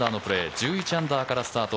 １１アンダーからスタート